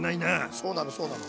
そうなのそうなの。